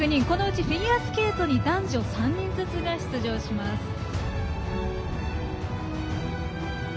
このうちフィギュアスケートに男女３人ずつが出場します。